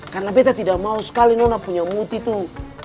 karena beta tidak mau sekali nona punya muti tuh